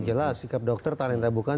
jelas sikap dokter talian tak bukan